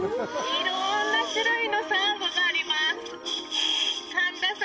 いろんな種類のサンゴがあります。